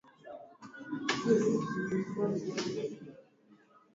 lakini kwa ajili ya mkutano huu wanaohudhuria nayasema haya